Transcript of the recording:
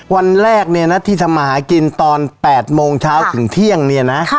วันแรกเนี่ยนะที่ทำมาหากินตอน๘โมงเช้าถึงเที่ยงเนี่ยนะ